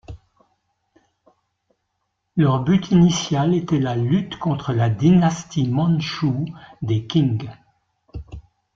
Leur but initial était la lutte contre la dynastie mandchoue des Qing.